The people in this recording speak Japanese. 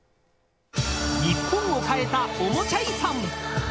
日本を変えたおもちゃ遺産。